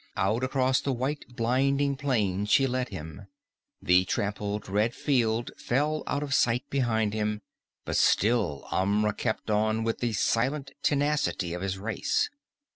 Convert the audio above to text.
Out across the white blinding plain she led him. The trampled red field fell out of sight behind him, but still Amra kept on with the silent tenacity of his race.